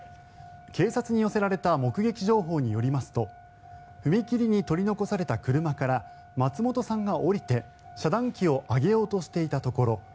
警察に寄せられた目撃情報によりますと踏切に取り残された車から松本さんが降りて遮断機を上げようとしていたところ